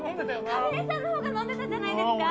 亀井さんのほうが飲んでたじゃないですか。